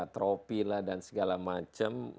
trophy lah dan segala macem